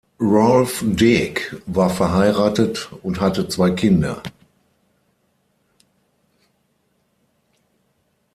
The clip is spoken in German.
Rolf Dick war verheiratet und hatte zwei Kinder.